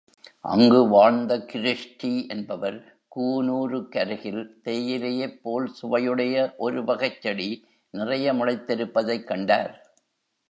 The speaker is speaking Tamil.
அங்கு வாழ்ந்த கிருஸ்டீ என்பவர், கூனூருக்கருகில் தேயிலையைப் போல் சுவையுடைய ஒருவகைச் செடி நிறைய முளைத்திருப்பதைக் கண்டார்.